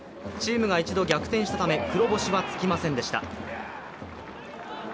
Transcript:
チームが一度逆転したため黒星はつきませんでした。